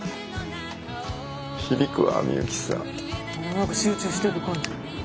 なんか集中してる感じ。